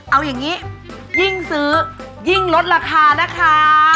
เอาอย่างนี้ยิ่งซื้อยิ่งลดราคานะคะ